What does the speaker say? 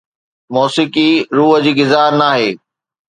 موسيقي روح جي غذا ناهي